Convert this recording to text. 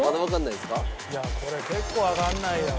いやこれ結構わかんないよ。